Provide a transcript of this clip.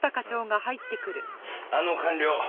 あの官僚